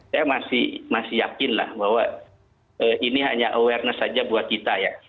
saya masih yakin lah bahwa ini hanya awareness saja buat kita ya